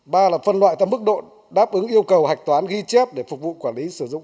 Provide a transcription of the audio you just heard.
ba là phân loại theo mức độ đáp ứng yêu cầu hạch toán ghi chép để phục vụ quản lý sử dụng